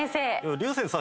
竜星さん